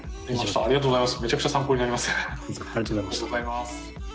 ありがとうございます。